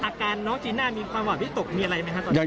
อาการน้องจีน่ามีความหวาดวิตกมีอะไรไหมครับตอนนี้